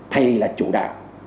thầy là chủ đạo